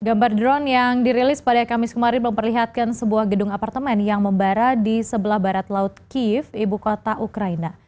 gambar drone yang dirilis pada kamis kemarin memperlihatkan sebuah gedung apartemen yang membara di sebelah barat laut kiev ibu kota ukraina